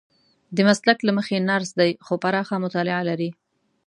د مسلک له مخې نرس دی خو پراخه مطالعه لري.